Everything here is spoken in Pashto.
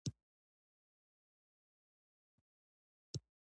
د سهار لمر سترګه ښکاره شوه.